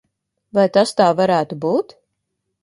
Vai tas tā varētu būt?